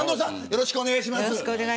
よろしくお願いします。